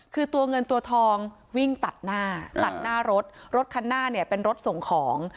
คือตัวเงินตัวทองวิ่งตัดหน้าตัดหน้ารถรถคันหน้าเนี่ยเป็นรถส่งของ